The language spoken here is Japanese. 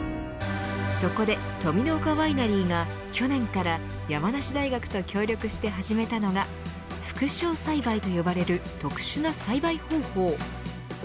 そこで登美の丘ワイナリーが去年から山梨大学と協力して始めたのが副梢栽培と呼ばれる特殊な栽培方法。